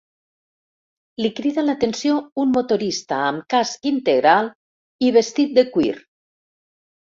Li crida l'atenció un motorista amb casc integral i vestit de cuir.